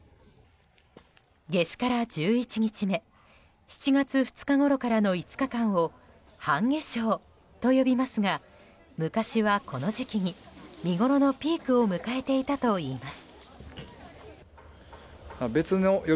夏至から１１日目７月２日ごろからの５日間を半夏生と呼びますが昔は、この時期に見ごろのピークを迎えていたといいます。